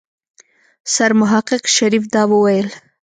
سرمحقق شريف دا وويل.